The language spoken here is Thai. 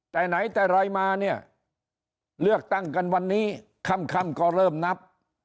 แต่ไหนแต่ไรมาเนี่ยเลือกตั้งกันวันนี้ค่ำก็เริ่มนับ